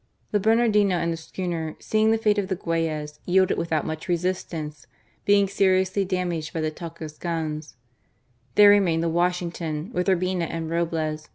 The Bernardino and the schooner, seeing the fate of the Guayas, yielded without much resistance, being seriously damaged by the Talca' s guns* There remained the Washington, .*. i64 GARCIA MORENO. with Urbina and Roble^?